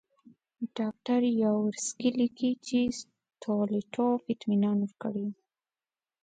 ډاکټر یاورسکي لیکي چې ستولیټوف اطمینان ورکړی وو.